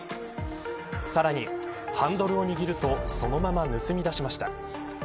さらにハンドルを握るとそのまま盗み出しました。